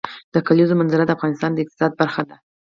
د کلیزو منظره د افغانستان د اقتصاد برخه ده.